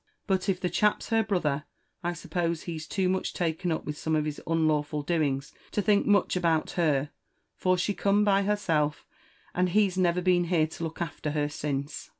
But if the chap's her brother, I suppose he's too much taken up with some of his unlawful doings to think much about her, for she come by herself, and he's never been here to look after her since."